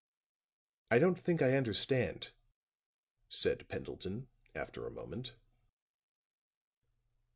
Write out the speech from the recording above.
"I don't think I understand," said Pendleton, after a moment.